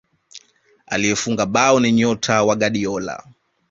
aliyefunga bao ni nyota wa guardiola